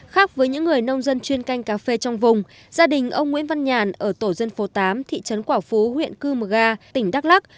khác với những người nông dân chuyên canh cà phê trong vùng gia đình ông nguyễn văn nhàn ở tổ dân phố tám thị trấn quả phú huyện cư mờ ga tỉnh đắk lắc